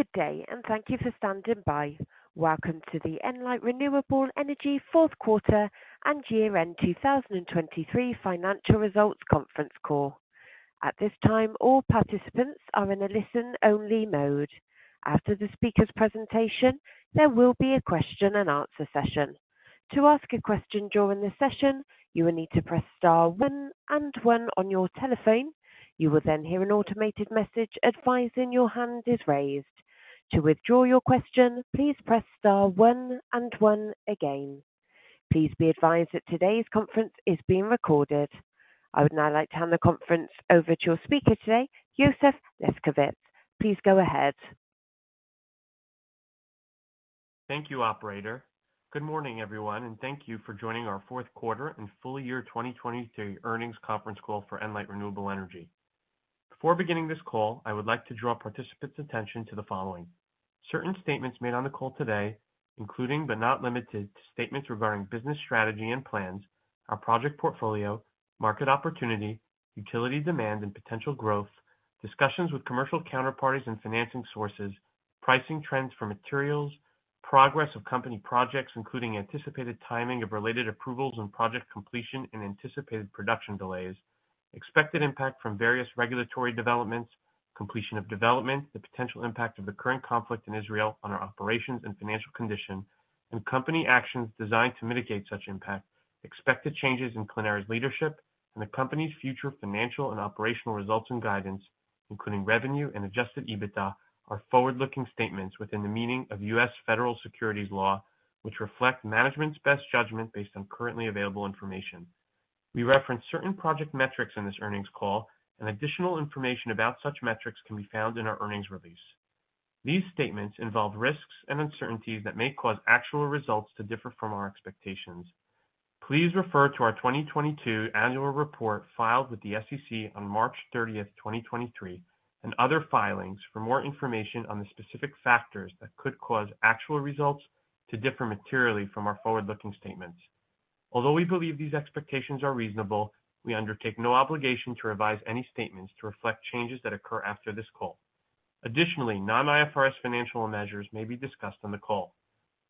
Good day, and thank you for standing by. Welcome to the Enlight Renewable Energy fourth quarter and year-end 2023 financial results conference call. At this time, all participants are in a listen-only mode. After the speaker's presentation, there will be a question-and-answer session. To ask a question during this session, you will need to press star one and one on your telephone. You will then hear an automated message advising your hand is raised. To withdraw your question, please press star one and one again. Please be advised that today's conference is being recorded. I would now like to hand the conference over to your speaker today, Yonah Lefkovitz. Please go ahead. Thank you, operator. Good morning, everyone, and thank you for joining our fourth quarter and full year 2023 earnings conference call for Enlight Renewable Energy. Before beginning this call, I would like to draw participants' attention to the following. Certain statements made on the call today, including but not limited to statements regarding business strategy and plans, our project portfolio, market opportunity, utility demand and potential growth, discussions with commercial counterparties and financing sources, pricing trends for materials, progress of company projects, including anticipated timing of related approvals and project completion and anticipated production delays, expected impact from various regulatory developments, completion of development, the potential impact of the current conflict in Israel on our operations and financial condition, and company actions designed to mitigate such impact, expected changes in Clēnera’s leadership and the company’s future financial and operational results and guidance, including revenue and Adjusted EBITDA, are forward-looking statements within the meaning of U.S. Federal securities law, which reflect management’s best judgment based on currently available information. We reference certain project metrics in this earnings call, and additional information about such metrics can be found in our earnings release. These statements involve risks and uncertainties that may cause actual results to differ from our expectations. Please refer to our 2022 annual report, filed with the SEC on March 30th, 2023, and other filings for more information on the specific factors that could cause actual results to differ materially from our forward-looking statements. Although we believe these expectations are reasonable, we undertake no obligation to revise any statements to reflect changes that occur after this call. Additionally, non-IFRS financial measures may be discussed on the call.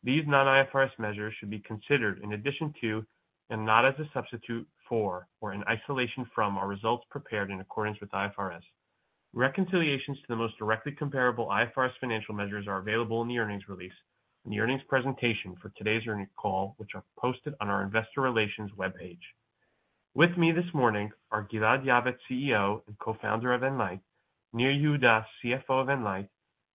These non-IFRS measures should be considered in addition to, and not as a substitute for, or in isolation from, our results prepared in accordance with IFRS. Reconciliations to the most directly comparable IFRS financial measures are available in the earnings release and the earnings presentation for today's earnings call, which are posted on our investor relations webpage. With me this morning are Gilad Yavetz, CEO and co-founder of Enlight, Nir Yehuda, CFO of Enlight,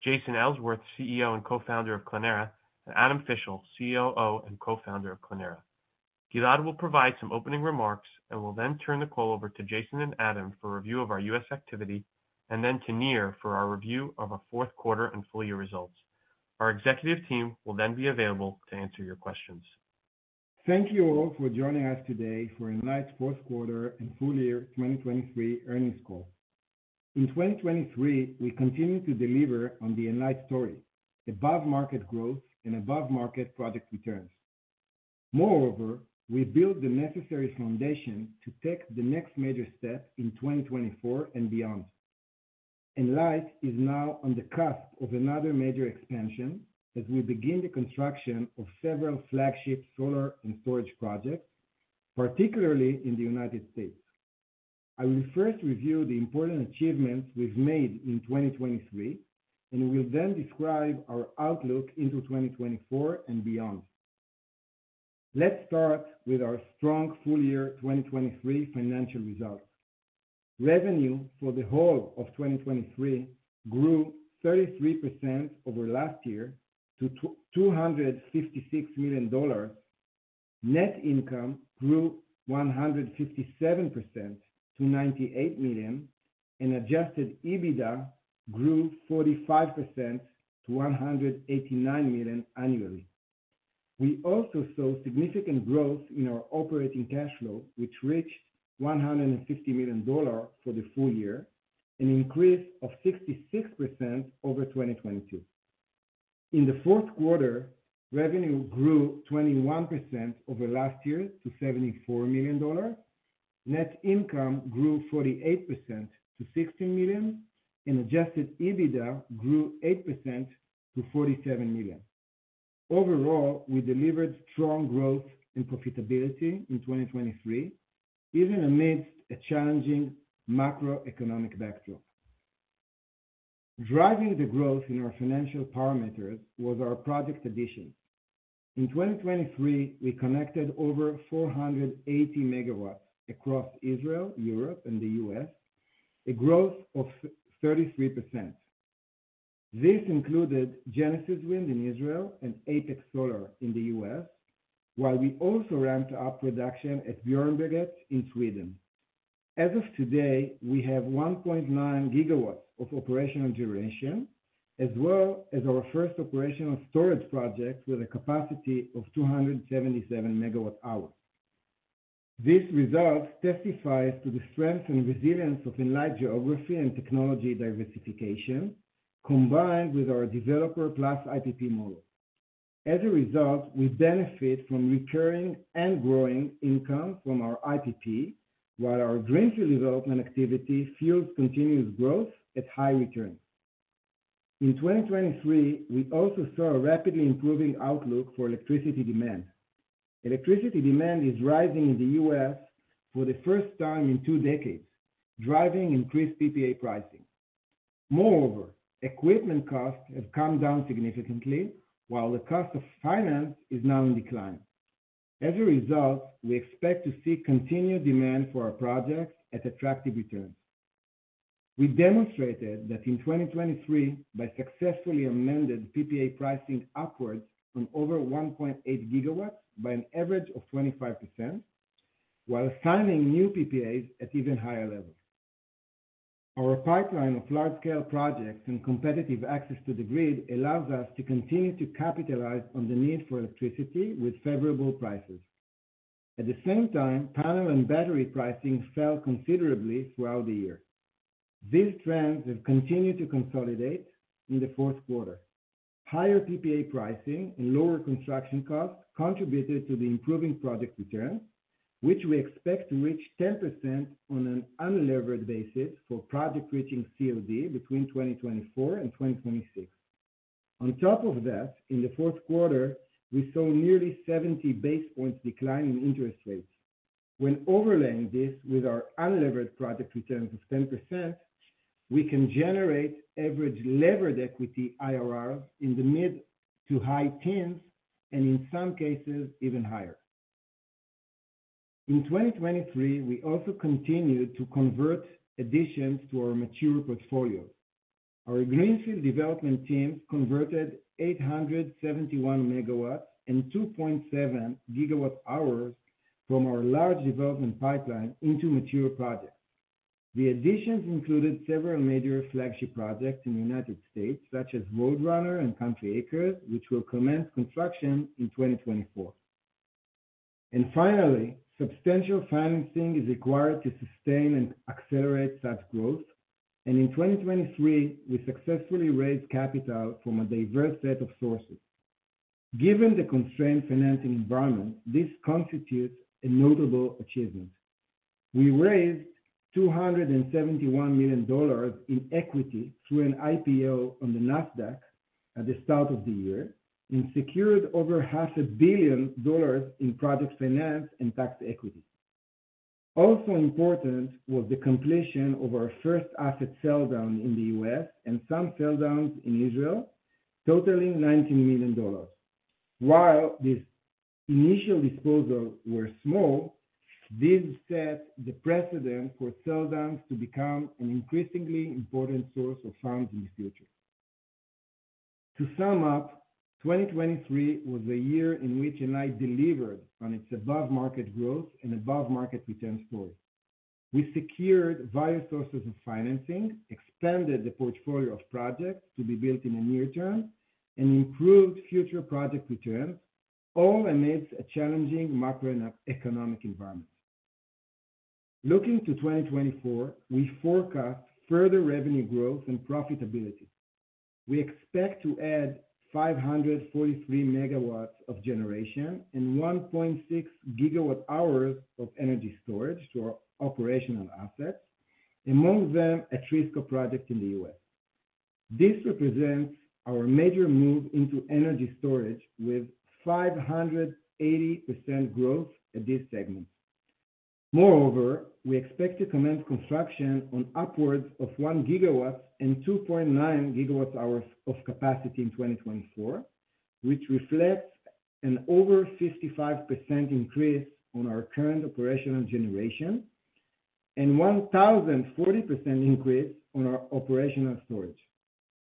Jason Ellsworth, CEO and co-founder of Clēnera, and Adam Pishl, CEO and co-founder of Clēnera. Gilad will provide some opening remarks and will then turn the call over to Jason and Adam for a review of our U.S. activity, and then to Nir for our review of our fourth quarter and full year results. Our executive team will then be available to answer your questions. Thank you all for joining us today for Enlight's fourth quarter and full year 2023 earnings call. In 2023, we continued to deliver on the Enlight story: above-market growth and above-market product returns. Moreover, we built the necessary foundation to take the next major step in 2024 and beyond. Enlight is now on the cusp of another major expansion as we begin the construction of several flagship solar and storage projects, particularly in the United States. I will first review the important achievements we've made in 2023, and will then describe our outlook into 2024 and beyond. Let's start with our strong full year 2023 financial results. Revenue for the whole of 2023 grew 33% over last year to $256 million. Net income grew 157% to $98 million, and adjusted EBITDA grew 45% to $189 million annually. We also saw significant growth in our operating cash flow, which reached $150 million for the full year, an increase of 66% over 2022. In the fourth quarter, revenue grew 21% over last year to $74 million. Net income grew 48% to $16 million, and adjusted EBITDA grew 8% to $47 million. Overall, we delivered strong growth and profitability in 2023, even amidst a challenging macroeconomic backdrop. Driving the growth in our financial parameters was our project additions. In 2023, we connected over 480 MW across Israel, Europe, and the U.S., a growth of 33%. This included Genesis Wind in Israel and Apex Solar in the U.S., while we also ramped up production at Björnberget in Sweden. As of today, we have 1.9 gigawatts of operational generation, as well as our first operational storage project with a capacity of 277 MWh. This result testifies to the strength and resilience of Enlight geography and technology diversification, combined with our developer plus IPP model. As a result, we benefit from recurring and growing income from our IPP, while our greenfield development activity fuels continuous growth at high returns. In 2023, we also saw a rapidly improving outlook for electricity demand. Electricity demand is rising in the U.S. for the first time in two decades, driving increased PPA pricing. Moreover, equipment costs have come down significantly, while the cost of finance is now in decline. As a result, we expect to see continued demand for our projects at attractive returns. We demonstrated that in 2023, by successfully amended PPA pricing upwards from over 1.8 GW by an average of 25%, while signing new PPAs at even higher levels. Our pipeline of large-scale projects and competitive access to the grid allows us to continue to capitalize on the need for electricity with favorable prices. At the same time, panel and battery pricing fell considerably throughout the year. These trends have continued to consolidate in the fourth quarter. Higher PPA pricing and lower construction costs contributed to the improving project returns, which we expect to reach 10% on an unlevered basis for project reaching COD between 2024 and 2026. On top of that, in the fourth quarter, we saw nearly 70 basis points decline in interest rates. When overlaying this with our unlevered project returns of 10%, we can generate average levered equity IRR in the mid to high tens, and in some cases, even higher. In 2023, we also continued to convert additions to our mature portfolio. Our greenfield development teams converted 871 MW and 2.7 GWh from our large development pipeline into mature projects. The additions included several major flagship projects in the United States, such as Roadrunner and Country Acres, which will commence construction in 2024. Finally, substantial financing is required to sustain and accelerate such growth, and in 2023, we successfully raised capital from a diverse set of sources. Given the constrained financing environment, this constitutes a notable achievement. We raised $271 million in equity through an IPO on the NASDAQ at the start of the year and secured over $500 million in project finance and tax equity. Also important was the completion of our first asset sell-down in the U.S. and some sell-downs in Israel, totaling $90 million. While this initial disposals were small, this set the precedent for sell-downs to become an increasingly important source of funds in the future. To sum up, 2023 was a year in which Enlight delivered on its above-market growth and above-market returns forward. We secured various sources of financing, expanded the portfolio of projects to be built in the near term, and improved future project returns, all amidst a challenging macro and economic environment. Looking to 2024, we forecast further revenue growth and profitability. We expect to add 543 megawatts of generation and 1.6 gigawatt hours of energy storage to our operational assets, among them, Atrisco project in the U.S. This represents our major move into energy storage with 580% growth at this segment. Moreover, we expect to commence construction on upwards of 1 gigawatt and 2.9 gigawatt hours of capacity in 2024, which reflects an over 55% increase on our current operational generation and 1,040 increase on our operational storage.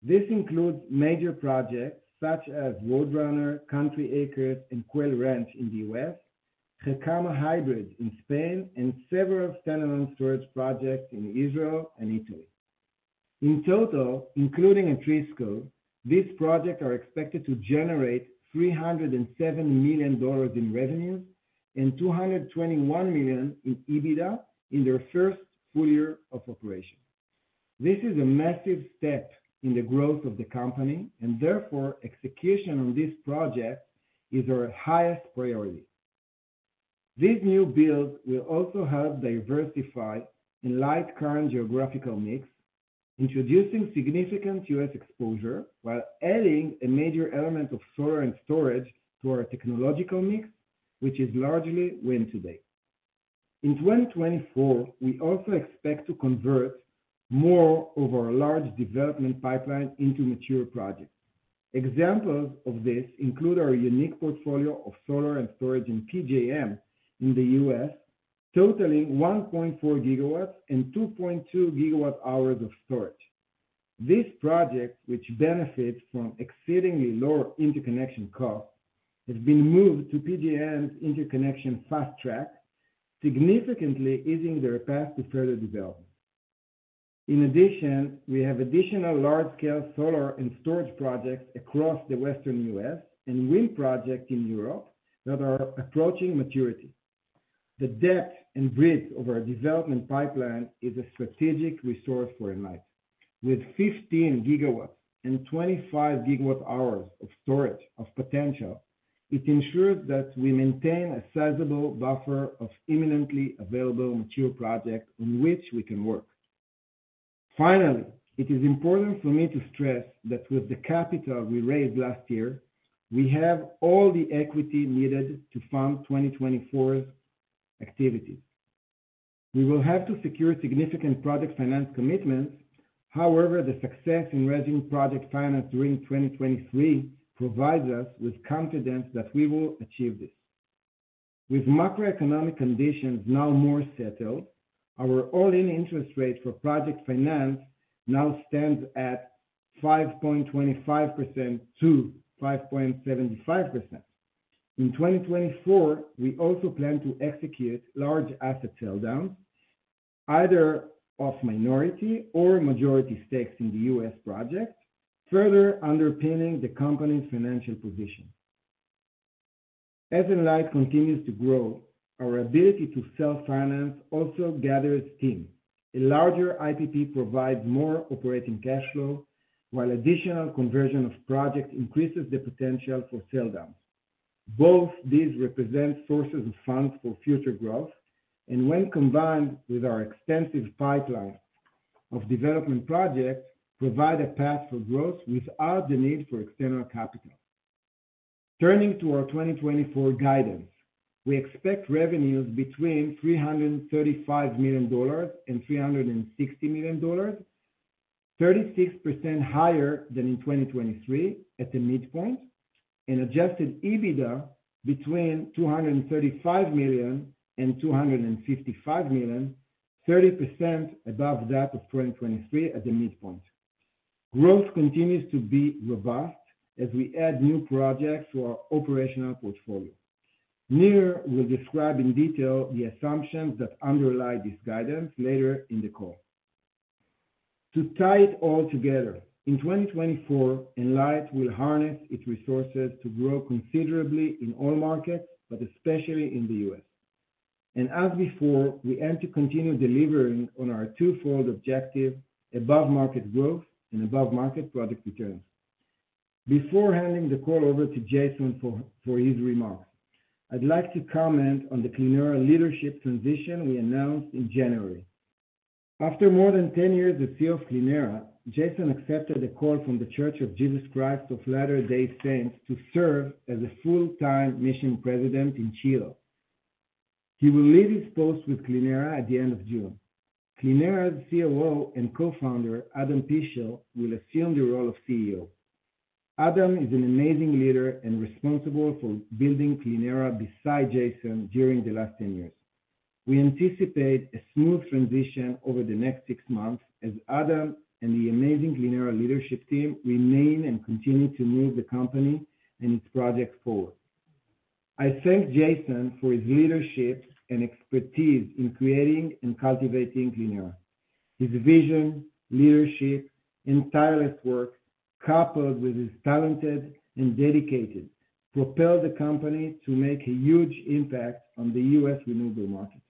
This includes major projects such as Roadrunner, Country Acres, and Quail Ranch in the U.S., Gercama Hybrid in Spain, and several standalone storage projects in Israel and Italy. In total, including Atrisco, these projects are expected to generate $307 million in revenues and $221 million in EBITDA in their first full year of operation. This is a massive step in the growth of the company, and therefore, execution on this project is our highest priority. These new builds will also help diversify Enlight's current geographical mix, introducing significant U.S. exposure while adding a major element of solar and storage to our technological mix, which is largely wind today. In 2024, we also expect to convert more of our large development pipeline into mature projects. Examples of this include our unique portfolio of solar and storage in PJM in the U.S., totaling 1.4 GW and 2.2 GWh of storage. These projects, which benefit from exceedingly lower interconnection costs, have been moved to PJM's interconnection fast track, significantly easing their path to further development. In addition, we have additional large-scale solar and storage projects across the Western U.S. and wind projects in Europe that are approaching maturity.... The depth and breadth of our development pipeline is a strategic resource for Enlight. With 15 GW and 25 GWh of storage of potential, it ensures that we maintain a sizable buffer of imminently available mature projects on which we can work. Finally, it is important for me to stress that with the capital we raised last year, we have all the equity needed to fund 2024's activities. We will have to secure significant project finance commitments. However, the success in raising project finance during 2023 provides us with confidence that we will achieve this. With macroeconomic conditions now more settled, our all-in interest rate for project finance now stands at 5.25%-5.75%. In 2024, we also plan to execute large asset sell downs, either of minority or majority stakes in the U.S. project, further underpinning the company's financial position. As Enlight continues to grow, our ability to self-finance also gathers steam. A larger IPP provides more operating cash flow, while additional conversion of projects increases the potential for sell downs. Both these represent sources of funds for future growth and when combined with our extensive pipeline of development projects, provide a path for growth without the need for external capital. Turning to our 2024 guidance, we expect revenues between $335 million and $360 million, 36% higher than in 2023 at the midpoint, and Adjusted EBITDA between $235 million and $255 million, 30% above that of 2023 at the midpoint. Growth continues to be robust as we add new projects to our operational portfolio. Nir will describe in detail the assumptions that underlie this guidance later in the call. To tie it all together, in 2024, Enlight will harness its resources to grow considerably in all markets, but especially in the U.S. And as before, we aim to continue delivering on our twofold objective: above-market growth and above-market product returns. Before handing the call over to Jason for his remarks, I'd like to comment on the Clēnera leadership transition we announced in January. After more than 10 years as CEO of Clēnera, Jason accepted a call from The Church of Jesus Christ of Latter-day Saints to serve as a full-time mission president in Chile. He will leave his post with Clēnera at the end of June. Clēnera's COO and co-founder, Adam Pishl, will assume the role of CEO. Adam is an amazing leader and responsible for building Clēnera beside Jason during the last 10 years. We anticipate a smooth transition over the next six months as Adam and the amazing Clēnera leadership team remain and continue to move the company and its projects forward. I thank Jason for his leadership and expertise in creating and cultivating Clēnera. His vision, leadership, and tireless work, coupled with his talented and dedicated, propelled the company to make a huge impact on the U.S. renewable market.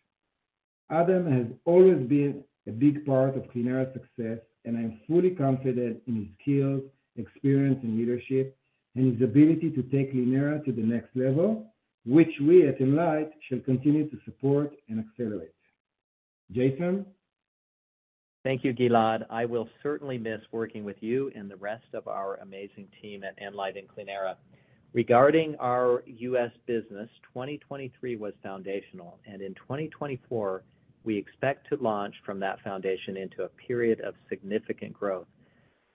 Adam has always been a big part of Clēnera's success, and I am fully confident in his skills, experience, and leadership, and his ability to take Clēnera to the next level, which we at Enlight shall continue to support and accelerate. Jason? Thank you, Gilad. I will certainly miss working with you and the rest of our amazing team at Enlight and Clēnera. Regarding our U.S. business, 2023 was foundational, and in 2024, we expect to launch from that foundation into a period of significant growth.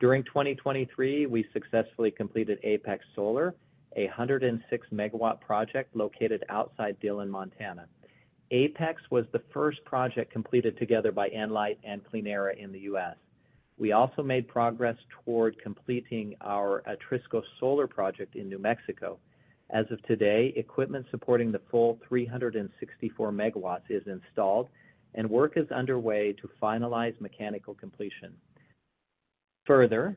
During 2023, we successfully completed Apex Solar, 106 MW project located outside Dillon, Montana. Apex was the first project completed together by Enlight and Clēnera in the U.S. We also made progress toward completing our Atrisco Solar project in New Mexico. As of today, equipment supporting the full 364 MW is installed, and work is underway to finalize mechanical completion. Further,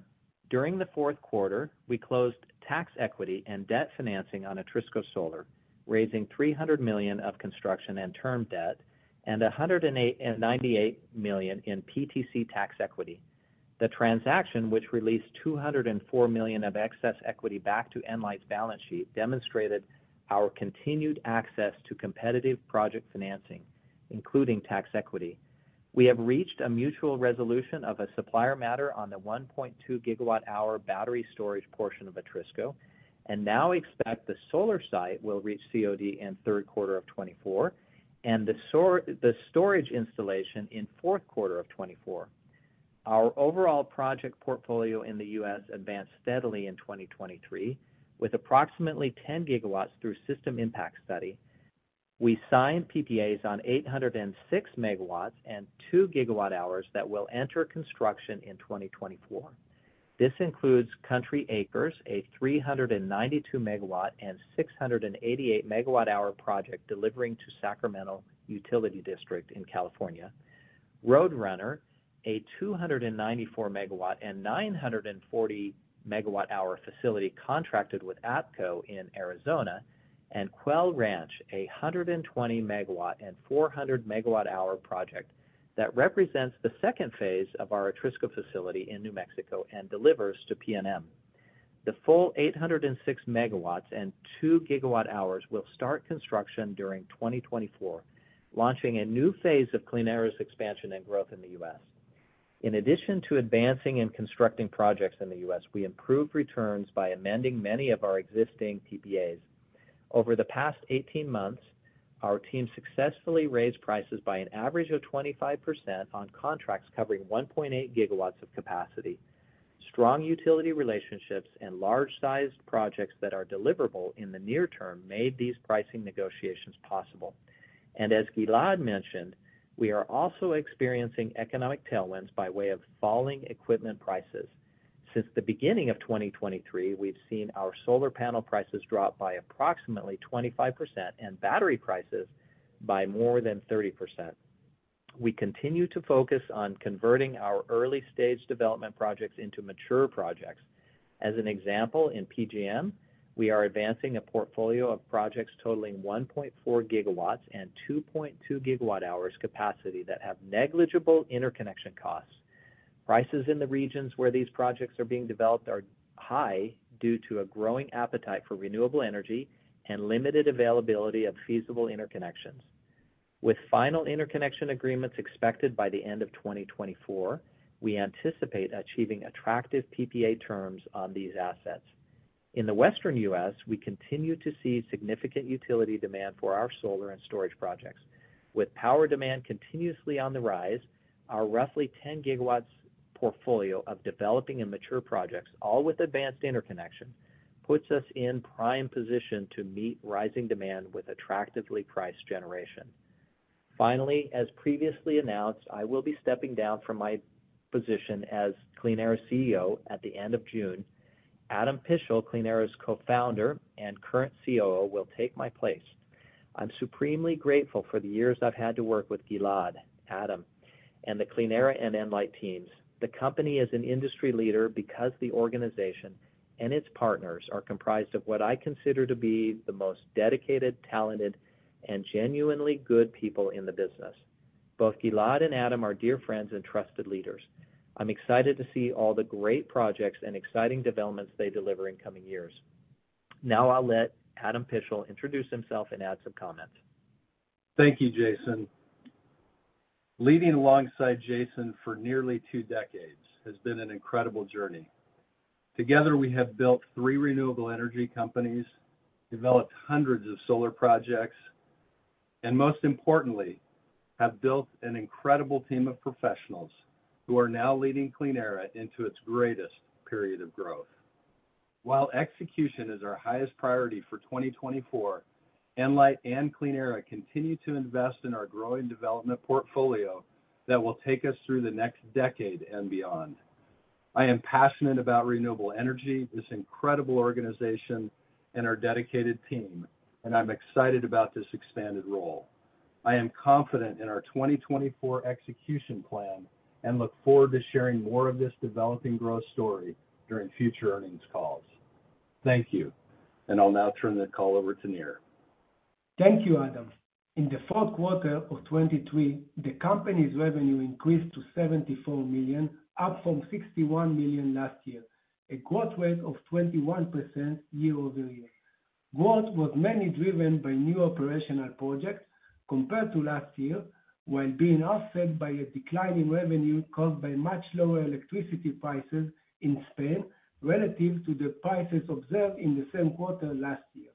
during the fourth quarter, we closed tax equity and debt financing on Atrisco Solar, raising $300 million of construction and term debt and $108 million and $98 million in PTC tax equity. The transaction, which released $204 million of excess equity back to Enlight's balance sheet, demonstrated our continued access to competitive project financing, including tax equity. We have reached a mutual resolution of a supplier matter on the 1.2 GWh battery storage portion of Atrisco, and now expect the solar site will reach COD in third quarter of 2024, and the storage installation in fourth quarter of 2024. Our overall project portfolio in the U.S. advanced steadily in 2023, with approximately 10 GW through System Impact Study. We signed PPAs on 806 MW and 2 GWh that will enter construction in 2024. This includes Country Acres, a 392 MW and 688 MWh project delivering to Sacramento Municipal Utility District in California.... Roadrunner, a 294 MW and 940 MWh facility contracted with ATCO in Arizona, and Quail Ranch, a 120 MW and 400 MWh project that represents the second phase of our Atrisco facility in New Mexico and delivers to PNM. The full 806 MW and 2 GWh will start construction during 2024, launching a new phase of Clēnera's expansion and growth in the U.S. In addition to advancing and constructing projects in the U.S., we improved returns by amending many of our existing PPAs. Over the past 18 months, our team successfully raised prices by an average of 25% on contracts covering 1.8 GW of capacity. Strong utility relationships and large-sized projects that are deliverable in the near term made these pricing negotiations possible. And as Gilad mentioned, we are also experiencing economic tailwinds by way of falling equipment prices. Since the beginning of 2023, we've seen our solar panel prices drop by approximately 25% and battery prices by more than 30%. We continue to focus on converting our early-stage development projects into mature projects. As an example, in PJM, we are advancing a portfolio of projects totaling 1.4 GW and 2.2 GWh capacity that have negligible interconnection costs. Prices in the regions where these projects are being developed are high due to a growing appetite for renewable energy and limited availability of feasible interconnections. With final interconnection agreements expected by the end of 2024, we anticipate achieving attractive PPA terms on these assets. In the Western U.S., we continue to see significant utility demand for our solar and storage projects. With power demand continuously on the rise, our roughly 10 GW portfolio of developing and mature projects, all with advanced interconnection, puts us in prime position to meet rising demand with attractively priced generation. Finally, as previously announced, I will be stepping down from my position as Clēnera's CEO at the end of June. Adam Pishl, Clēnera's co-founder and current COO, will take my place. I'm supremely grateful for the years I've had to work with Gilad, Adam, and the Clēnera and Enlight teams. The company is an industry leader because the organization and its partners are comprised of what I consider to be the most dedicated, talented, and genuinely good people in the business. Both Gilad and Adam are dear friends and trusted leaders. I'm excited to see all the great projects and exciting developments they deliver in coming years. Now I'll let Adam Pishl introduce himself and add some comments. Thank you, Jason. Leading alongside Jason for nearly two decades has been an incredible journey. Together, we have built three renewable energy companies, developed hundreds of solar projects, and most importantly, have built an incredible team of professionals who are now leading Clēnera into its greatest period of growth. While execution is our highest priority for 2024, Enlight and Clēnera continue to invest in our growing development portfolio that will take us through the next decade and beyond. I am passionate about renewable energy, this incredible organization, and our dedicated team, and I'm excited about this expanded role. I am confident in our 2024 execution plan and look forward to sharing more of this developing growth story during future earnings calls. Thank you, and I'll now turn the call over to Nir. Thank you, Adam. In the fourth quarter of 2023, the company's revenue increased to $74 million, up from $61 million last year, a growth rate of 21% year-over-year. Growth was mainly driven by new operational projects compared to last year, while being offset by a decline in revenue caused by much lower electricity prices in Spain relative to the prices observed in the same quarter last year.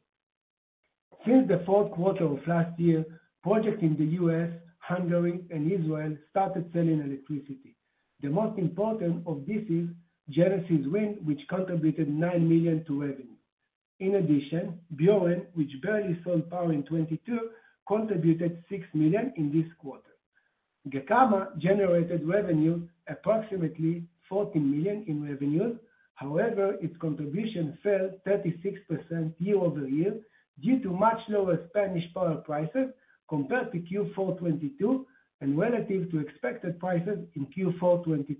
Since the fourth quarter of last year, projects in the U.S., Hungary, and Israel started selling electricity. The most important of this is Genesis Wind, which contributed $9 million to revenue. In addition, Beolen, which barely sold power in 2022, contributed $6 million in this quarter. Gecama generated revenue approximately $14 million in revenues. However, its contribution fell 36% year-over-year due to much lower Spanish power prices compared to Q4 2022 and relative to expected prices in Q4 2023.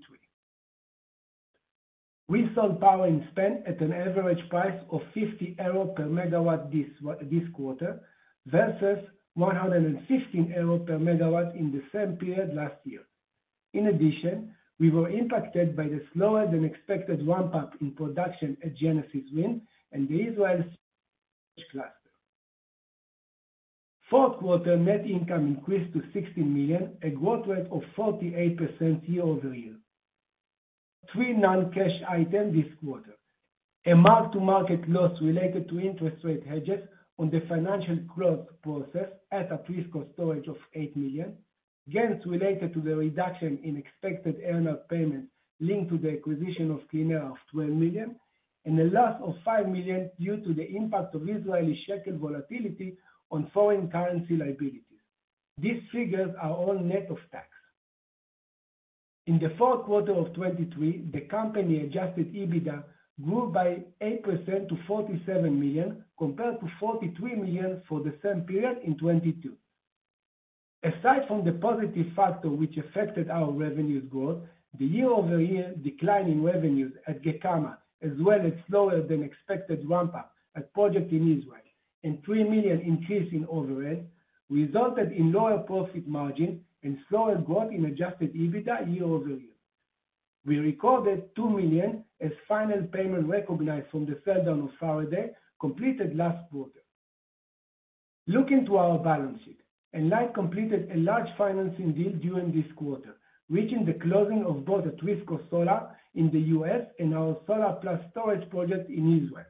We sold power in Spain at an average price of 50 euro per MW this quarter versus 115 euro per MW in the same period last year. In addition, we were impacted by the slower than expected ramp-up in production at Genesis Wind and the Israel cluster. Fourth quarter net income increased to $16 million, a growth rate of 48% year-over-year. Three non-cash items this quarter: a mark-to-market loss related to interest rate hedges on the financial close process at a pre-cost storage of $8 million, gains related to the reduction in expected earnout payments linked to the acquisition of Clean Air of $12 million, and a loss of $5 million due to the impact of Israeli shekel volatility on foreign currency liabilities. These figures are all net of tax. In the fourth quarter of 2023, the company Adjusted EBITDA grew by 8% to $47 million, compared to $43 million for the same period in 2022. Aside from the positive factor which affected our revenues growth, the year-over-year decline in revenues at Gecama, as well as slower than expected ramp-up at project in Israel, and $3 million increase in overhead, resulted in lower profit margin and slower growth in Adjusted EBITDA year-over-year. We recorded $2 million as final payment recognized from the sell-down of Faraday, completed last quarter. Looking to our balance sheet, Enlight completed a large financing deal during this quarter, reaching the closing of both Atrisco Solar in the U.S. and our solar plus storage project in Israel.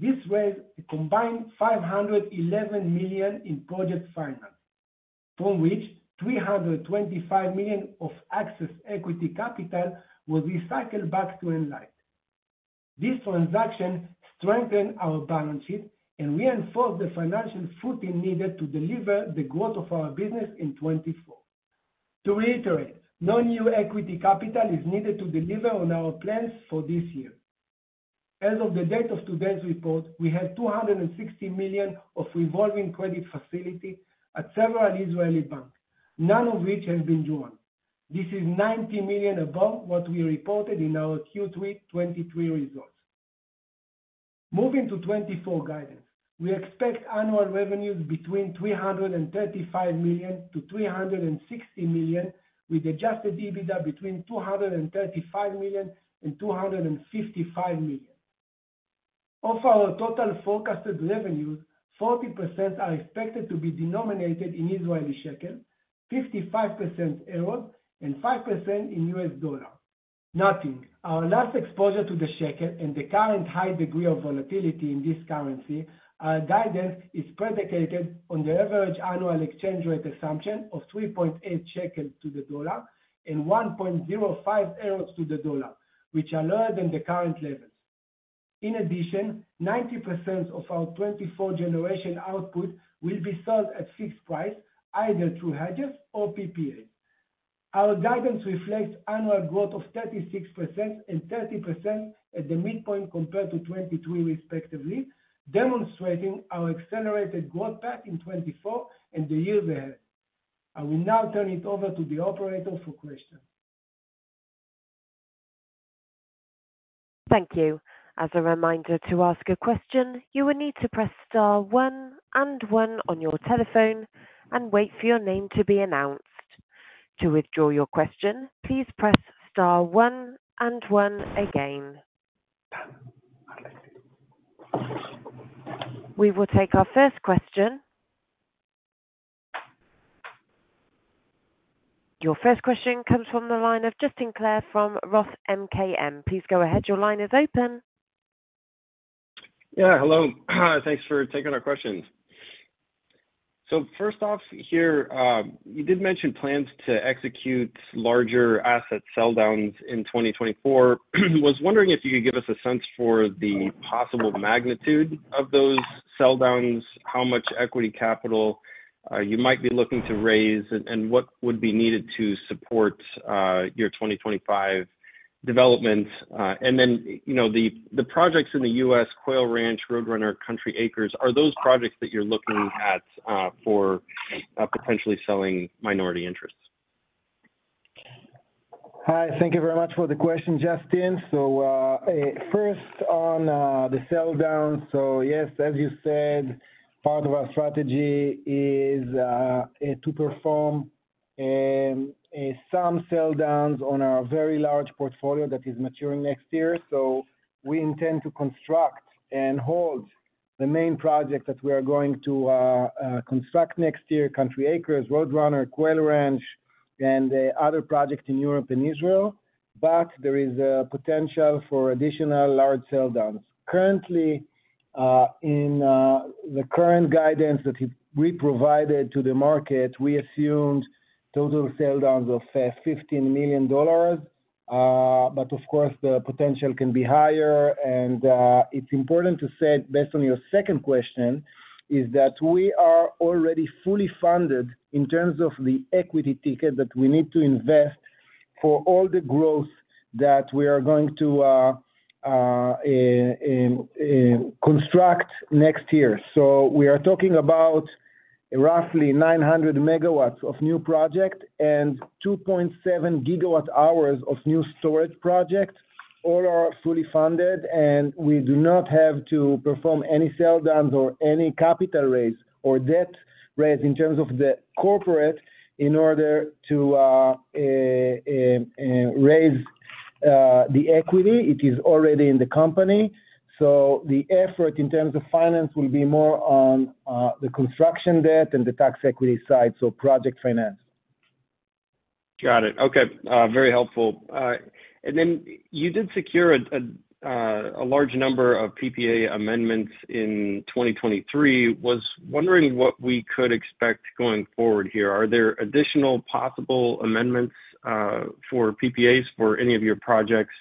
This raised a combined $511 million in project finance, from which $325 million of excess equity capital will be cycled back to Enlight. This transaction strengthened our balance sheet and reinforced the financial footing needed to deliver the growth of our business in 2024. To reiterate, no new equity capital is needed to deliver on our plans for this year. As of the date of today's report, we have $260 million of revolving credit facility at several Israeli banks, none of which has been drawn. This is $90 million above what we reported in our Q3 2023 results. Moving to 2024 guidance. We expect annual revenues between $335 million-$360 million, with adjusted EBITDA between $235 million-$255 million. Of our total forecasted revenues, 40% are expected to be denominated in Israeli shekel, 55% euro, and 5% in US dollar. Noting our last exposure to the shekel and the current high degree of volatility in this currency, our guidance is predicated on the average annual exchange rate assumption of 3.8 shekel to the dollar and 1.05 euros to the dollar, which are lower than the current level. In addition, 90% of our 2024 generation output will be sold at fixed price, either through hedges or PPA. Our guidance reflects annual growth of 36% and 30% at the midpoint compared to 2023 respectively, demonstrating our accelerated growth path in 2024 and the year there. I will now turn it over to the operator for questions. Thank you. As a reminder, to ask a question, you will need to press star one and one on your telephone and wait for your name to be announced. To withdraw your question, please press star one and one again. We will take our first question. Your first question comes from the line of Justin Clare from Roth MKM. Please go ahead. Your line is open. Yeah, hello. Thanks for taking our questions. So first off here, you did mention plans to execute larger asset sell downs in 2024. Was wondering if you could give us a sense for the possible magnitude of those sell downs, how much equity capital you might be looking to raise, and what would be needed to support your 2025 development? And then, you know, the projects in the U.S., Quail Ranch, Roadrunner, Country Acres, are those projects that you're looking at for potentially selling minority interests? Hi, thank you very much for the question, Justin. So, first on the sell down. So yes, as you said, part of our strategy is to perform some sell downs on our very large portfolio that is maturing next year. So we intend to construct and hold the main project that we are going to construct next year, Country Acres, Roadrunner, Quail Ranch, and the other project in Europe and Israel, but there is a potential for additional large sell downs. Currently, in the current guidance that we provided to the market, we assumed total sell downs of $15 million, but of course, the potential can be higher. It's important to say, based on your second question, is that we are already fully funded in terms of the equity ticket that we need to invest for all the growth that we are going to construct next year. So we are talking about roughly 900 MW of new project and 2.7 GWh of new storage project. All are fully funded, and we do not have to perform any sell downs or any capital raise or debt raise in terms of the corporate, in order to raise the equity. It is already in the company. So the effort in terms of finance will be more on the construction debt and the tax equity side, so project finance. Got it. Okay, very helpful. And then you did secure a large number of PPA amendments in 2023. Was wondering what we could expect going forward here. Are there additional possible amendments for PPAs for any of your projects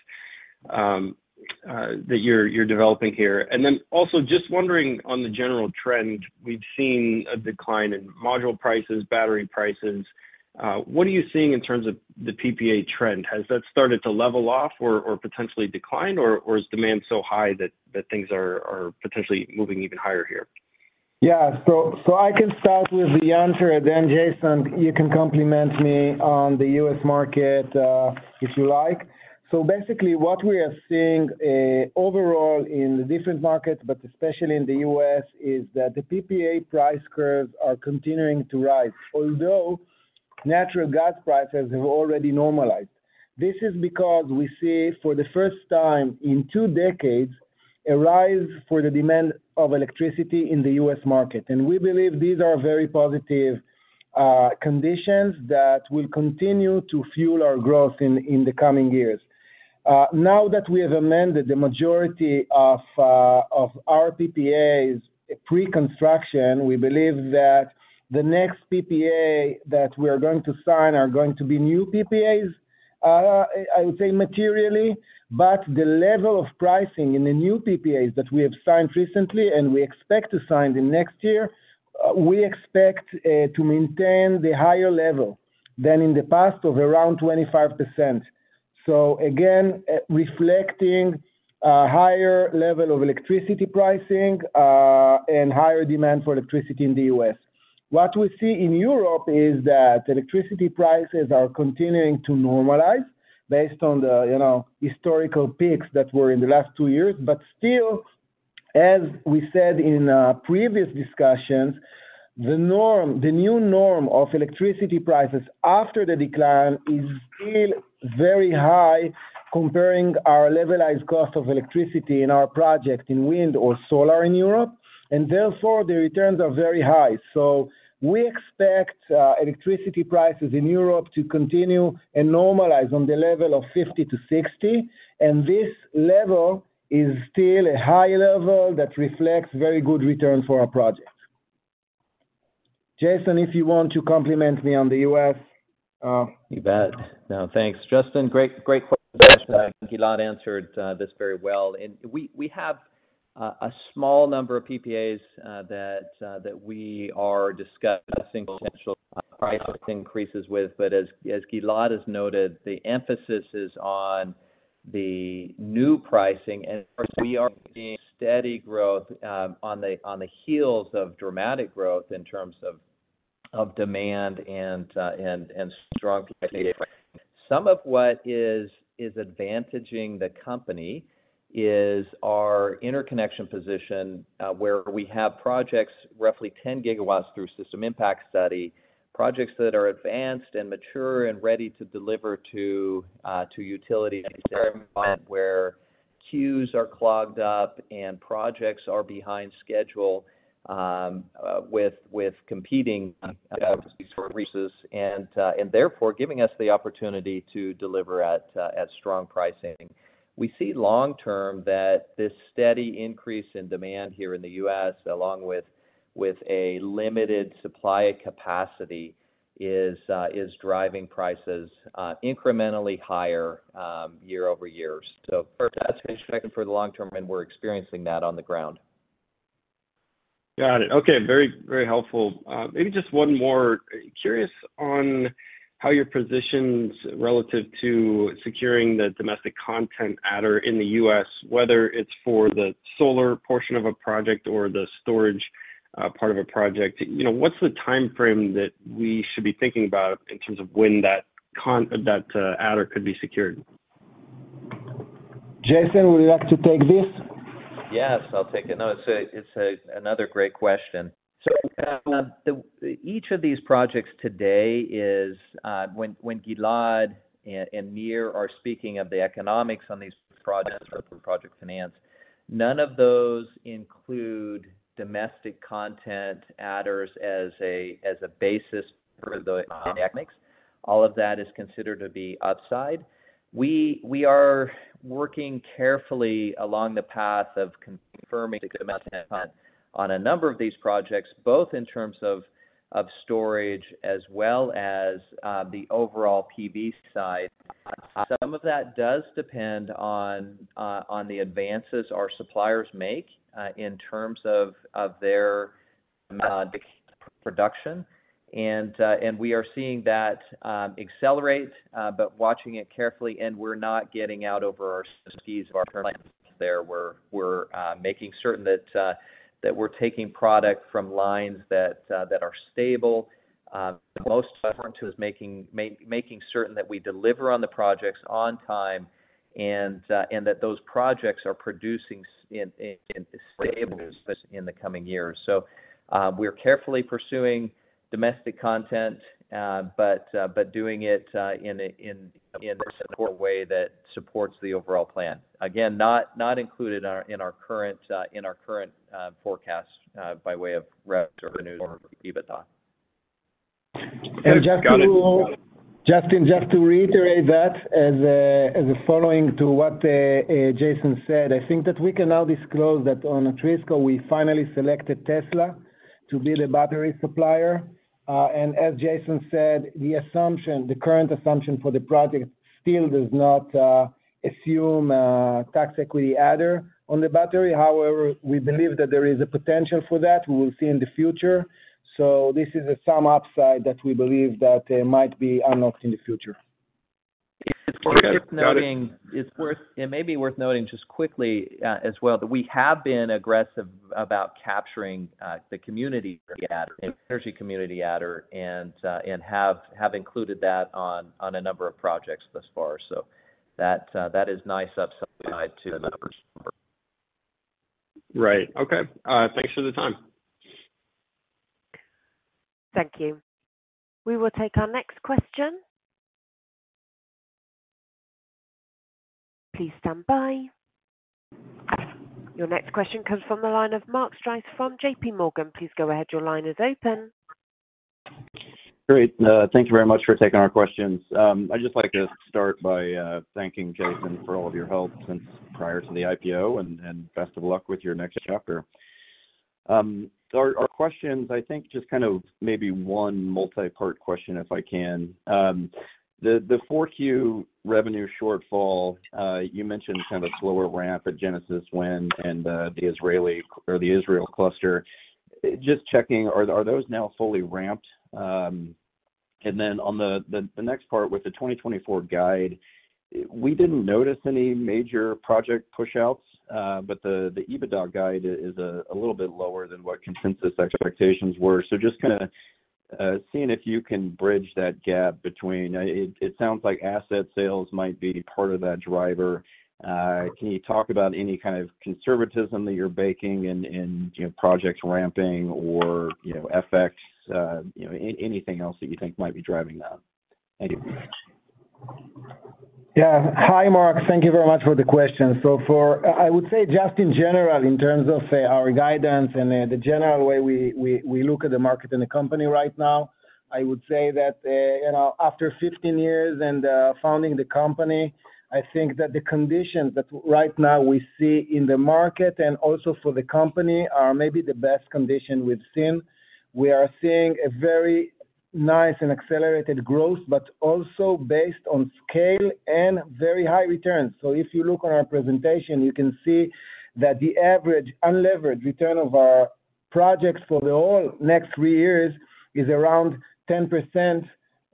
that you're developing here? And then also just wondering on the general trend, we've seen a decline in module prices, battery prices. What are you seeing in terms of the PPA trend? Has that started to level off or potentially decline, or is demand so high that things are potentially moving even higher here? Yeah. So I can start with the answer, and then Jason, you can compliment me on the U.S. market, if you like. So basically, what we are seeing overall in the different markets, but especially in the U.S., is that the PPA price curves are continuing to rise, although natural gas prices have already normalized. This is because we see, for the first time in two decades, a rise for the demand of electricity in the U.S. market. We believe these are very positive conditions that will continue to fuel our growth in the coming years. Now that we have amended the majority of our PPAs pre-construction, we believe that the next PPA that we are going to sign are going to be new PPAs. I would say materially, but the level of pricing in the new PPAs that we have signed recently and we expect to sign in next year, we expect to maintain the higher level than in the past of around 25%. So again, reflecting a higher level of electricity pricing and higher demand for electricity in the U.S. What we see in Europe is that electricity prices are continuing to normalize based on the, you know, historical peaks that were in the last two years. But still, as we said in previous discussions, the new norm of electricity prices after the decline is still very high, comparing our levelized cost of electricity in our project in wind or solar in Europe, and therefore, the returns are very high. So we expect electricity prices in Europe to continue and normalize on the level of 50-60, and this level is still a high level that reflects very good return for our project. Jason, if you want to compliment me on the U.S., You bet. Now, thanks, Justin. Great, great question. I think Gilad answered this very well. And we have a small number of PPAs that we are discussing potential price increases with. But as Gilad has noted, the emphasis is on the new pricing, and we are seeing steady growth on the heels of dramatic growth in terms of demand and strong PPA. Some of what is advantaging the company is our interconnection position where we have projects, roughly 10 GW through System Impact Study, projects that are advanced and mature and ready to deliver to utility where queues are clogged up and projects are behind schedule with competing resources and therefore giving us the opportunity to deliver at strong pricing. We see long-term that this steady increase in demand here in the U.S., along with a limited supply capacity, is driving prices incrementally higher year-over-year. So that's expected for the long term, and we're experiencing that on the ground. Got it. Okay. Very, very helpful. Maybe just one more. Curious on how your position's relative to securing the Domestic Content Adder in the U.S., whether it's for the solar portion of a project or the storage part of a project. You know, what's the timeframe that we should be thinking about in terms of when that adder could be secured? Jason, would you like to take this? Yes, I'll take it. No, it's another great question. So, each of these projects today is, when Gilad and Nir are speaking of the economics on these projects or project finance, none of those include domestic content adders as a basis for the economics. All of that is considered to be upside. We are working carefully along the path of confirming the good amount to have on a number of these projects, both in terms of storage as well as the overall PV side. Some of that does depend on the advances our suppliers make in terms of their production. And we are seeing that accelerate, but watching it carefully, and we're not getting out over our skis of our current there. We're making certain that we're taking product from lines that are stable. The most important is making certain that we deliver on the projects on time, and that those projects are producing stably in the coming years. We are carefully pursuing domestic content, but doing it in a supportive way that supports the overall plan. Again, not included in our current forecast by way of rev to the forward EBITDA. Just to- Got it. Justin, just to reiterate that, as a following to what Jason said, I think that we can now disclose that on Atrisco, we finally selected Tesla to be the battery supplier. And as Jason said, the assumption, the current assumption for the project still does not assume tax equity adder on the battery. However, we believe that there is a potential for that, we will see in the future. So this is some upside that we believe that might be unlocked in the future. It's worth noting- Got it. It may be worth noting just quickly, as well, that we have been aggressive about capturing the community adder, Energy Community Adder, and have included that on a number of projects thus far. So that is nice upside to the numbers. Right. Okay. Thanks for the time. Thank you. We will take our next question. Please stand by. Your next question comes from the line of Mark Strouse from JP Morgan. Please go ahead, your line is open. Great, thank you very much for taking our questions. I'd just like to start by thanking Jason for all of your help since prior to the IPO, and best of luck with your next chapter. Our questions, I think, just kind of maybe one multi-part question, if I can. The 4Q revenue shortfall, you mentioned kind of a slower ramp at Genesis Wind and the Israeli or the Israel cluster. Just checking, are those now fully ramped? And then on the next part, with the 2024 guide, we didn't notice any major project push outs, but the EBITDA guide is a little bit lower than what consensus expectations were. So just kind of seeing if you can bridge that gap between... It sounds like asset sales might be part of that driver. Can you talk about any kind of conservatism that you're baking in, you know, project ramping or, you know, FX, you know, anything else that you think might be driving that? Thank you. Yeah. Hi, Mark. Thank you very much for the question. So for, I would say just in general, in terms of, our guidance and, the general way we, we, we look at the market and the company right now, I would say that, you know, after 15 years and, founding the company, I think that the conditions that right now we see in the market and also for the company, are maybe the best condition we've seen. We are seeing a very nice and accelerated growth, but also based on scale and very high returns. So if you look on our presentation, you can see that the average unlevered return of our projects for the all next 3 years is around 10%,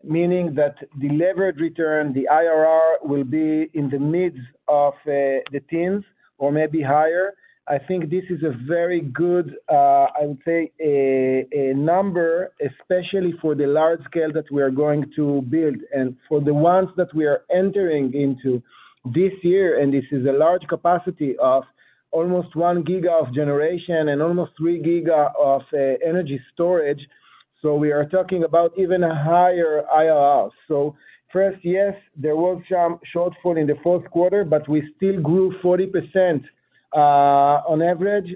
meaning that the levered return, the IRR, will be in the midst of, the teens or maybe higher. I think this is a very good, I would say, a number, especially for the large scale that we are going to build. For the ones that we are entering into this year, and this is a large capacity of almost 1 GW of generation and almost 3 GWh of energy storage, so we are talking about even a higher IRR. So first, yes, there was some shortfall in the fourth quarter, but we still grew 40% on average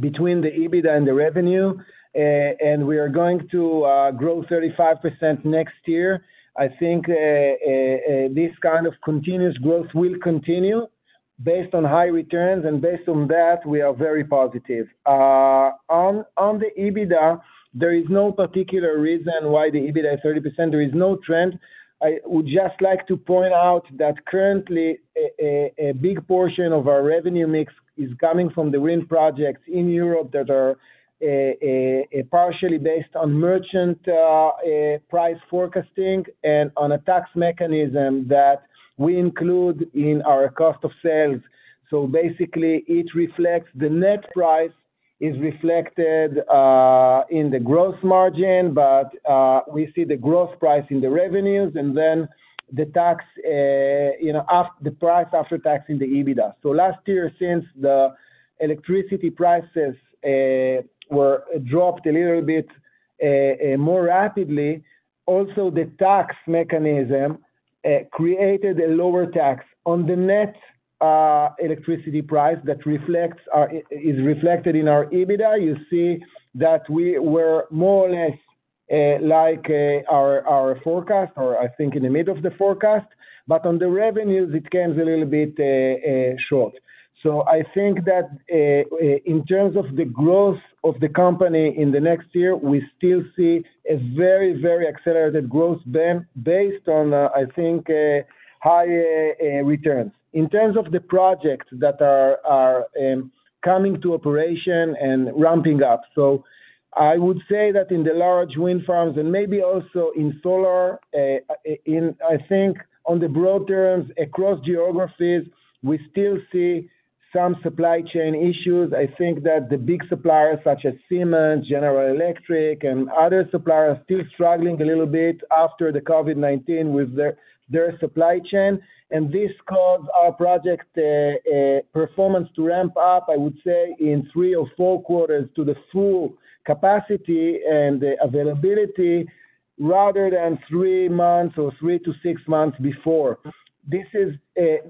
between the EBITDA and the revenue, and we are going to grow 35% next year. I think this kind of continuous growth will continue based on high returns, and based on that, we are very positive. On the EBITDA, there is no particular reason why the EBITDA is 30%. There is no trend. I would just like to point out that currently, a big portion of our revenue mix is coming from the wind projects in Europe that are partially based on merchant price forecasting and on a tax mechanism that we include in our cost of sales. So basically, it reflects the net price is reflected in the gross margin, but we see the gross price in the revenues and then the tax, you know, the price after tax in the EBITDA. So last year, since the electricity prices were dropped a little bit more rapidly, also the tax mechanism created a lower tax on the net electricity price that is reflected in our EBITDA. You see that we were more or less, like, our forecast, or I think in the mid of the forecast, but on the revenues, it came a little bit short. So I think that in terms of the growth of the company in the next year, we still see a very, very accelerated growth based on, I think, returns. In terms of the projects that are coming to operation and ramping up, so I would say that in the large wind farms, and maybe also in solar, in, I think on the broad terms, across geographies, we still see some supply chain issues. I think that the big suppliers, such as Siemens, General Electric, and other suppliers, are still struggling a little bit after the COVID-19 with their, their supply chain, and this caused our project performance to ramp up, I would say, in three or four quarters to the full capacity and availability, rather than three months or three to six months before. This is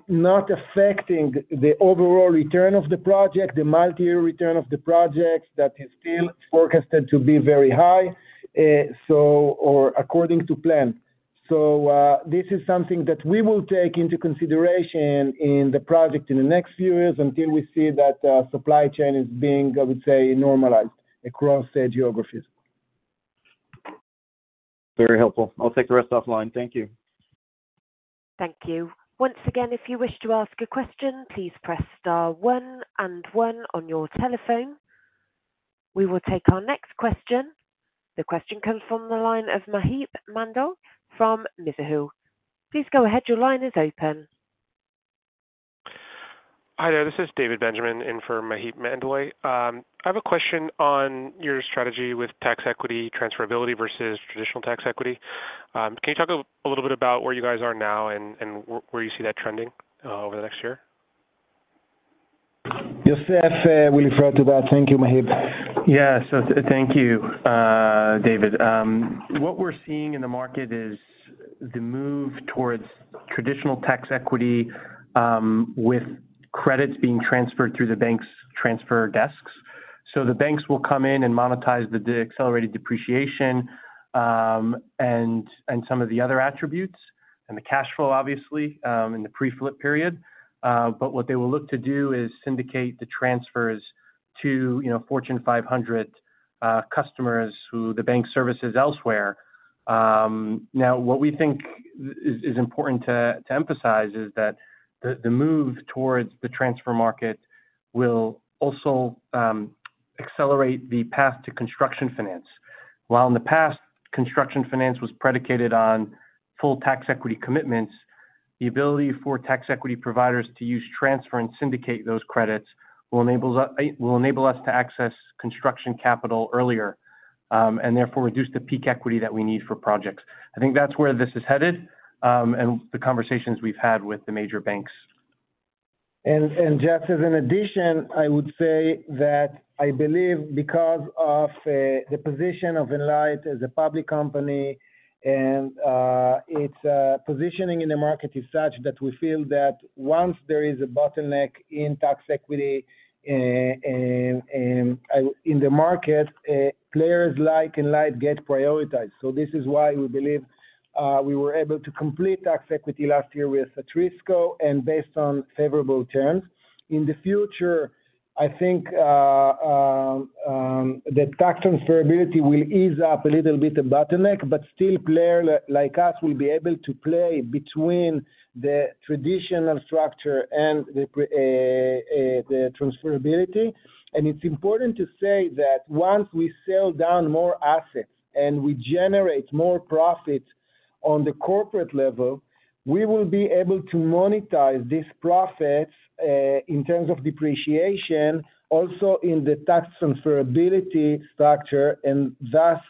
not affecting the overall return of the project, the multi-year return of the projects, that is still forecasted to be very high, so or according to plan. So, this is something that we will take into consideration in the project in the next few years until we see that supply chain is being, I would say, normalized across the geographies. Very helpful. I'll take the rest offline. Thank you. Thank you. Once again, if you wish to ask a question, please press star one and one on your telephone. We will take our next question. The question comes from the line of Maheep Mandal from Mizuho. Please go ahead. Your line is open. Hi there. This is David Benjamin in for Maheep Mandal. I have a question on your strategy with tax equity transferability versus traditional tax equity. Can you talk a little bit about where you guys are now and where you see that trending over the next year? Yosef, will refer to that. Thank you, Mahip. Yeah. So thank you, David. What we're seeing in the market is the move towards traditional tax equity, with credits being transferred through the bank's transfer desks. So the banks will come in and monetize the accelerated depreciation, and some of the other attributes, and the cash flow, obviously, in the pre-flip period. But what they will look to do is syndicate the transfers to, you know, Fortune 500 customers who the bank services elsewhere. Now, what we think is important to emphasize is that the move towards the transfer market will also accelerate the path to construction finance. While in the past, construction finance was predicated on full tax equity commitments, the ability for tax equity providers to use transfer and syndicate those credits will enable us to access construction capital earlier, and therefore reduce the peak equity that we need for projects. I think that's where this is headed, and the conversations we've had with the major banks. And just as an addition, I would say that I believe because of the position of Enlight as a public company and its positioning in the market is such that we feel that once there is a bottleneck in tax equity in the market, players like Enlight get prioritized. So this is why we believe we were able to complete tax equity last year with Atrisco and based on favorable terms. In the future, I think that tax transferability will ease up a little bit the bottleneck, but still players like us will be able to play between the traditional structure and the transferability. And it's important to say that once we sell down more assets and we generate more profits on the corporate level, we will be able to monetize these profits, in terms of depreciation, also in the tax transferability structure, and thus,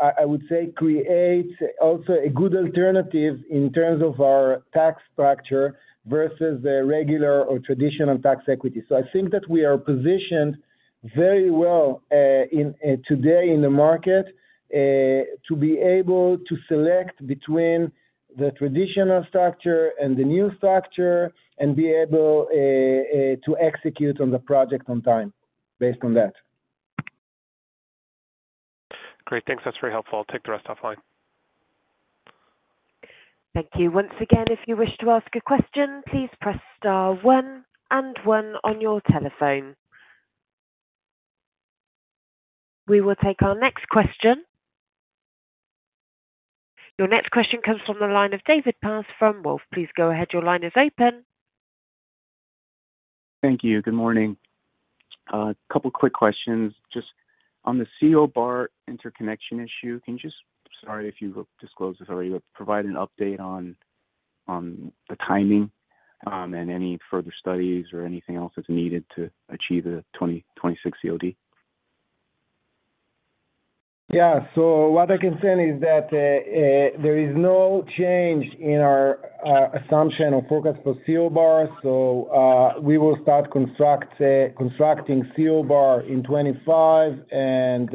I would say, create also a good alternative in terms of our tax structure versus the regular or traditional tax equity. So I think that we are positioned very well, in today in the market, to be able to select between the traditional structure and the new structure and be able, to execute on the project on time, based on that. Great, thanks. That's very helpful. I'll take the rest offline. Thank you. Once again, if you wish to ask a question, please press star 1 and 1 on your telephone. We will take our next question. Your next question comes from the line of David Paz from Wolfe. Please go ahead, your line is open. Thank you. Good morning. Couple quick questions. Just on the CO Bar interconnection issue, can you just... Sorry if you disclosed this already, but provide an update on the timing, and any further studies or anything else that's needed to achieve a 2026 COD? Yeah. So what I can say is that there is no change in our assumption or focus for CO Bar. So we will start constructing CO Bar in 2025, and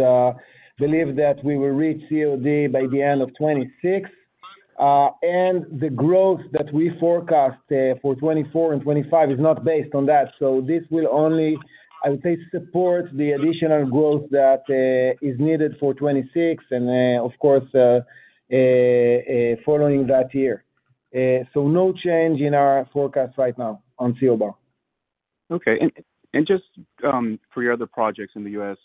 believe that we will reach COD by the end of 2026. And the growth that we forecast for 2024 and 2025 is not based on that. So this will only, I would say, support the additional growth that is needed for 2026 and, of course, following that year. So no change in our forecast right now on CO Bar. Okay. And just for your other projects in the U.S.,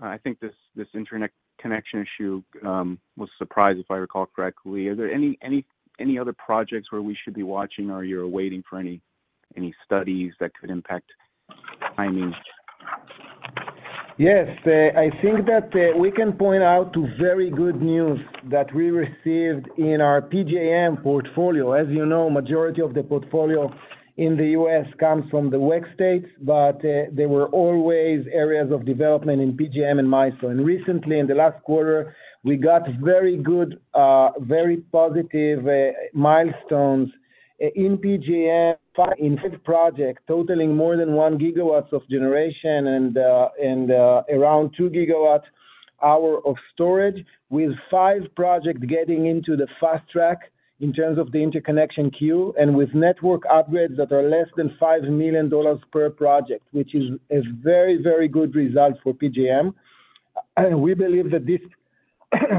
I think this interconnection issue was surprising, if I recall correctly. Are there any other projects where we should be watching, or you're waiting for any studies that could impact timing? Yes. I think that, we can point out to very good news that we received in our PJM portfolio. As you know, majority of the portfolio in the U.S. comes from the west states, but, there were always areas of development in PJM and MISO. Recently, in the last quarter, we got very good, very positive, milestones, in PJM, five in this project, totaling more than 1 GW of generation and, and, around 2 GWh of storage, with five projects getting into the fast track in terms of the interconnection queue, and with network upgrades that are less than $5 million per project, which is a very, very good result for PJM. We believe that this-...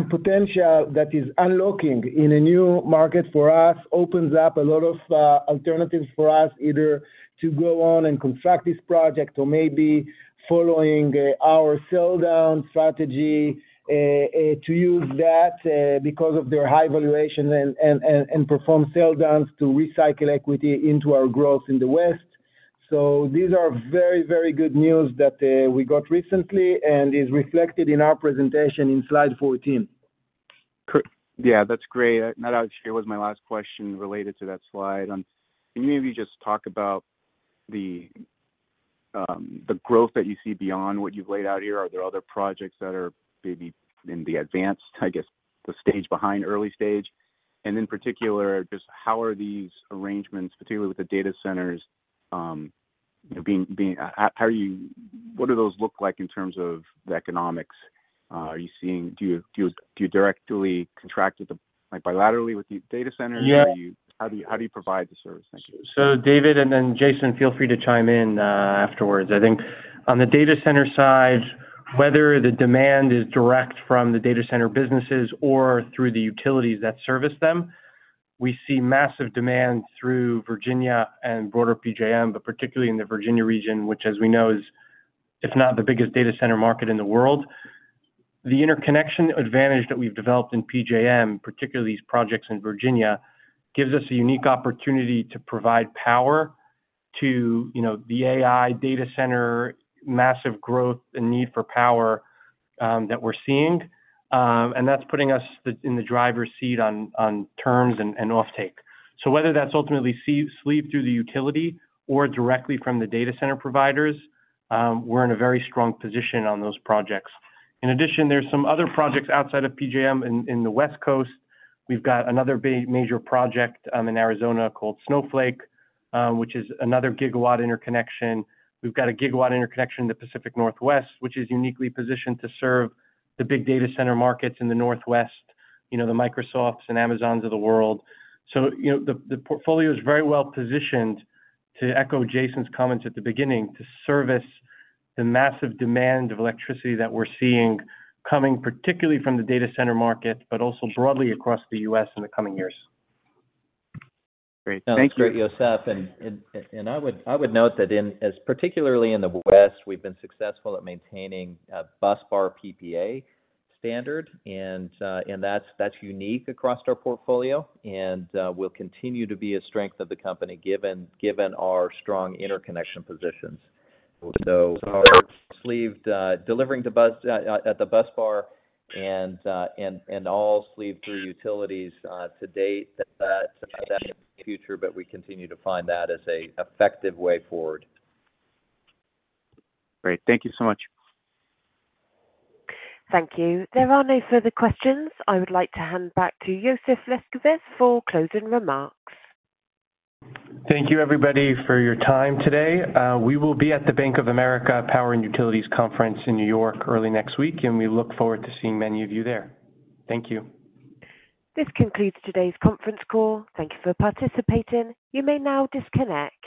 potential that is unlocking in a new market for us, opens up a lot of alternatives for us, either to go on and contract this project or maybe following our sell down strategy to use that because of their high valuation and perform sell downs to recycle equity into our growth in the West. So these are very, very good news that we got recently, and is reflected in our presentation in slide 14. Pr- Yeah, that's great. And that actually was my last question related to that slide. Can you maybe just talk about the growth that you see beyond what you've laid out here? Are there other projects that are maybe in the advanced, I guess, the stage behind early stage? And in particular, just how are these arrangements, particularly with the data centers, you know, being, being-how are you-what do those look like in terms of the economics? Are you seeing? Do you directly contract with the, like, bilaterally with the data centers? Yeah. How do you, how do you provide the service? Thank you. So David, and then Jason, feel free to chime in afterwards. I think on the data center side, whether the demand is direct from the data center businesses or through the utilities that service them, we see massive demand through Virginia and broader PJM, but particularly in the Virginia region, which as we know, is if not the biggest data center market in the world. The interconnection advantage that we've developed in PJM, particularly these projects in Virginia, gives us a unique opportunity to provide power to, you know, the AI data center, massive growth and need for power that we're seeing. And that's putting us in the driver's seat on terms and offtake. So whether that's ultimately sleeved through the utility or directly from the data center providers, we're in a very strong position on those projects. In addition, there's some other projects outside of PJM in the West Coast. We've got another big major project in Arizona called Snowflake, which is another 1 GW interconnection. We've got a 1 GW interconnection in the Pacific Northwest, which is uniquely positioned to serve the big data center markets in the Northwest, you know, the Microsofts and Amazons of the world. So, you know, the portfolio is very well positioned, to echo Jason's comments at the beginning, to service the massive demand of electricity that we're seeing coming, particularly from the data center market, but also broadly across the U.S. in the coming years. Great. Thank you. Thank you. Yosef, I would note that, as particularly in the West, we've been successful at maintaining a busbar PPA standard, and that's unique across our portfolio, and will continue to be a strength of the company, given our strong interconnection positions. So our sleeved, delivering the bus at the busbar and all sleeved through utilities to date, that's future, but we continue to find that as a effective way forward. Great. Thank you so much. Thank you. There are no further questions. I would like to hand back to Yosef Leshkovitz for closing remarks. Thank you, everybody, for your time today. We will be at the Bank of America Power and Utilities Conference in New York early next week, and we look forward to seeing many of you there. Thank you. This concludes today's conference call. Thank you for participating. You may now disconnect.